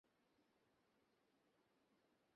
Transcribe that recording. আবার কখনও কখনও তোমার মতো অতিথিও তাদের সুগন্ধ রেখে যায়।